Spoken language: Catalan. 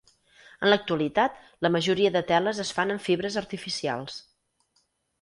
En l'actualitat la majoria de teles es fan amb fibres artificials.